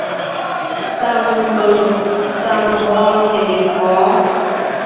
Saŋ mbʉ̀ŋ, saŋ mbɔ́ɔnte lefɔ̌ɔn.